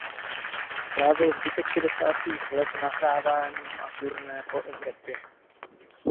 Strávil zbytek šedesátých let nahráváním a turné po Evropě.